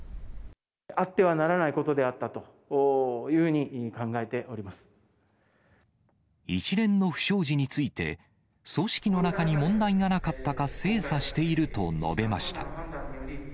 あってはならないことであっ一連の不祥事について、組織の中に問題がなかったか精査していると述べました。